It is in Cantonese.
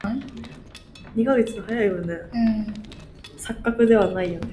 班友就會轉口風話搵食啫